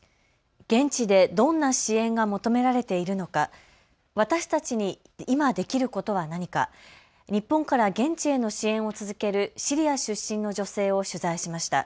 現地でどんな支援が求められているのか、私たちに今、できることは何か、日本から現地への支援を続けるシリア出身の女性を取材しました。